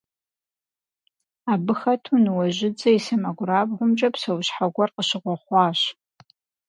Абы хэту Ныуэжьыдзэ и сэмэгурабгъумкӀэ псэущхьэ гуэр къыщыгъуэхъуащ.